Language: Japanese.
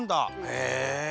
へえ。